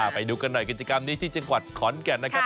ไปดูกันหน่อยกิจกรรมนี้ที่จังหวัดขอนแก่นนะครับ